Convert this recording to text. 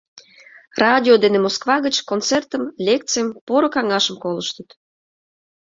Радио дене Москва гыч концертым, лекцийым, поро каҥашым колыштыт.